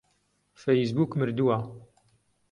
فەیسبووک مردووە.